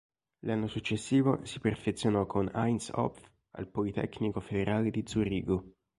L'anno successivo si perfezionò con Heinz Hopf al Politecnico federale di Zurigo.